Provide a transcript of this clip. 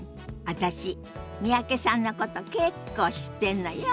私三宅さんのこと結構知ってんのよ。